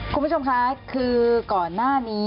คุณผู้ชมคะคือก่อนหน้านี้